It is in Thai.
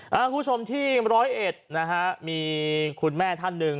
คุณผู้ชมที่ร้อยเอ็ดนะฮะมีคุณแม่ท่านหนึ่ง